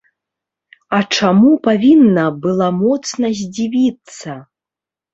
А чаму павінна была моцна здзівіцца?!